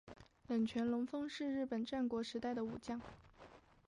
冷泉隆丰是日本战国时代的武将。